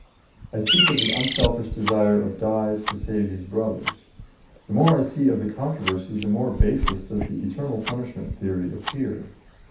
I speak of the unselfish desire of Dives to save his brothers. The more I see of the controversy, the more baseless does the eternal punishment theory appear.